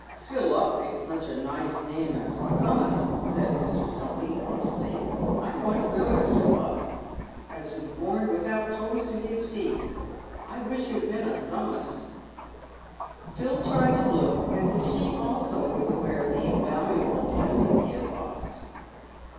" Philup ain't such a nice name as Thummus," said Mr. Stumpy, thoughtfully. "I once knowed a Philup as was borned without toes to his feet. I wish you'd been a Thummus." Phil tried to look as if he also was aware of the invaluable bless ing he had lost.